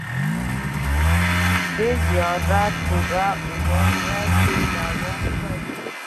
دا زیارت پوره اوه ورځې دوام کوي.